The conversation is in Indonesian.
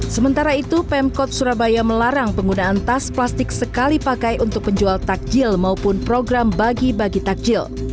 sementara itu pemkot surabaya melarang penggunaan tas plastik sekali pakai untuk penjual takjil maupun program bagi bagi takjil